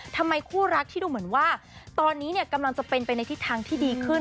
ทำไมคู่รักที่ดูเหมือนว่าตอนนี้เนี่ยกำลังจะเป็นไปในทิศทางที่ดีขึ้น